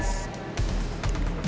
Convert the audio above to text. kamu lihat siapanya